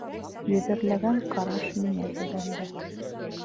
Йөҙәрләгән ҡараш миңә төбәлде.